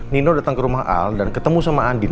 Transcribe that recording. nino datang ke rumah al dan ketemu sama andin